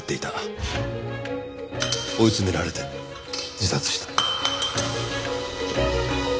追い詰められて自殺した。